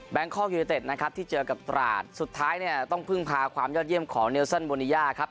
คอกยูเนเต็ดนะครับที่เจอกับตราดสุดท้ายเนี่ยต้องพึ่งพาความยอดเยี่ยมของเนลซันโมนิยาครับ